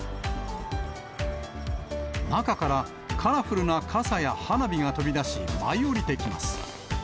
中からカラフルな傘や花火が飛び出し、舞い降りてきます。